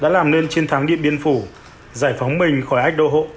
làm nên chiến thắng điện biên phủ giải phóng mình khỏi ách đô hộ